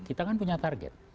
kita kan punya target